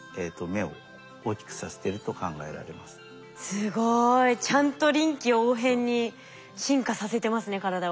すごい。ちゃんと臨機応変に進化させてますね体を。